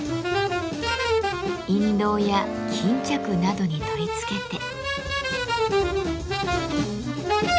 印籠や巾着などに取り付けて。